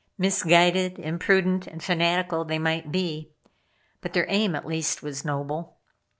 Misguided, imprudent and fanatical they might be, but their aim at least was noble.